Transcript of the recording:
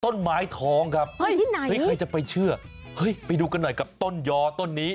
ต้นไม้ท้องครับเฮ้ยใครจะไปเชื่อเฮ้ยไปดูกันหน่อยกับต้นยอต้นนี้